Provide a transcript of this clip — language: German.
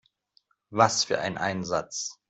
Was für ein Einsatz!